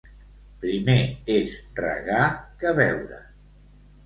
Primer és regar que beure.